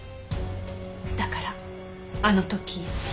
だからあの時。